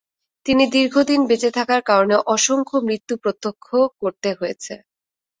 তিনি দীর্ঘদিন বেঁচে থাকার কারণে অসংখ্য মৃত্যু প্রত্যক্ষ করতে হয়েছে।